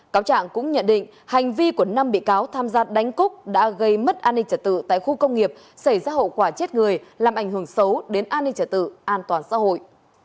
cáo trạng cũng nhận định hành vi của năm bị cáo tham gia đánh cúc đã gây mất an ninh trật tự tại khu công nghiệp xảy ra hậu quả chết người làm ảnh hưởng xấu đến an ninh trả tự an toàn xã hội